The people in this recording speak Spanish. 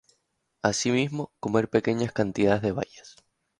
Asimismo, comer pequeñas cantidades de bayas.